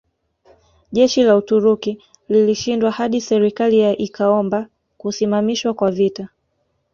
Jeshi la Uturuki lilishindwa hadi serikali ya ikaomba kusimamishwa kwa vita